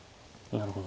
なるほど。